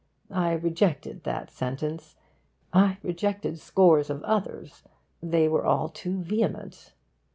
I rejected that sentence. I rejected scores of others. They were all too vehement.